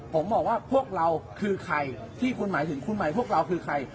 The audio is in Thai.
ผมบอกว่าพวกเราคือใครที่คุณหมายถึงคุณหมายพวกเราคือใคร